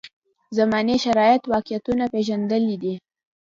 زمانې شرایط واقعیتونه پېژندل دي.